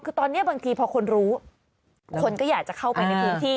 คือตอนนี้บางทีพอคนรู้คนก็อยากจะเข้าไปในพื้นที่